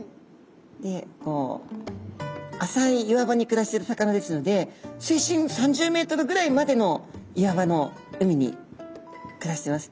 でこう浅い岩場に暮らしている魚ですので水深３０ｍぐらいまでの岩場の海に暮らしてます。